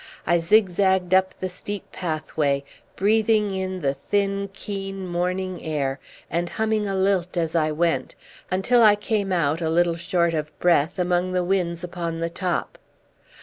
I zigzagged up the steep pathway, breathing in the thin, keen morning air, and humming a lilt as I went, until I came out, a little short of breath, among the whins upon the top.